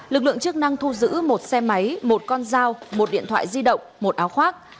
lực lượng chức năng thu giữ một xe máy một con dao một điện thoại di động một áo khoác